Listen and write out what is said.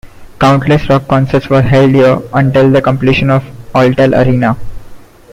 Countless rock concerts were held here until the completion of Alltel Arena.